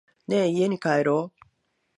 ねぇ、家に帰ろう。